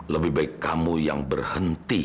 lebih baik kamu yang berhenti